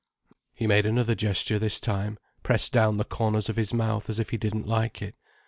He made another gesture this time: pressed down the corners of his mouth as if he didn't like it.